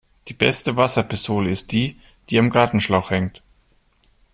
Die beste Wasserpistole ist die, die am Gartenschlauch hängt.